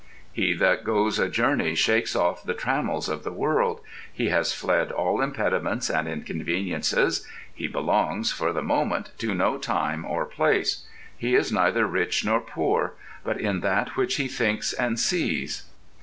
He that goes a journey shakes off the trammels of the world; he has fled all impediments and inconveniences; he belongs, for the moment, to no time or place. He is neither rich nor poor, but in that which he thinks and sees.